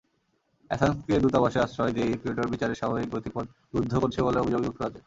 অ্যাসাঞ্জকে দূতাবাসে আশ্রয় দিয়ে ইকুয়েডর বিচারের স্বাভাবিক গতিপথ রুদ্ধ করছে বলে অভিযোগ যুক্তরাজ্যের।